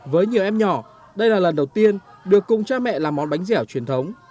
với nhiều em nhỏ đây là lần đầu tiên được cùng cha mẹ làm món bánh dẻo truyền thống